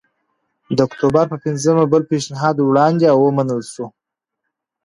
د اکتوبر په پنځمه بل پېشنهاد وړاندې او ومنل شو